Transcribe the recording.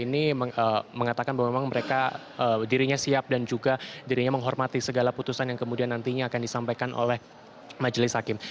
ini mengatakan bahwa memang mereka dirinya siap dan juga dirinya menghormati segala putusan yang kemudian nantinya akan disampaikan oleh majelis hakim